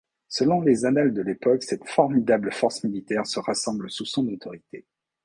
Selon les annales de l'époque, cette formidable force militaire se rassemble sous son autorité.